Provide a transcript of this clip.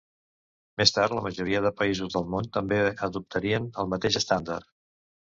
Més tard la majoria de països del món també adoptarien el mateix estàndard.